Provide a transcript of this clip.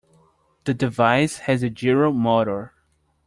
The device has a gyro motor.